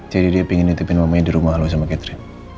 jadi dia pingin nitipin mamanya di rumah lo sama catherine